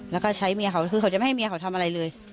แล้วก็ใช้เมียเขาคือเขาจะไม่ให้เมียเขาทำอะไรเลย